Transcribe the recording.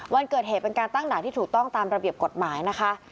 วันเกิดเหตุเป็นการตั้งด่านที่ถูกต้องตามระเบียบกฎหมายนะคะ